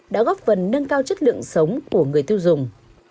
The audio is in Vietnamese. đã góp phần nâng cao chất lượng sống của người tiêu dùng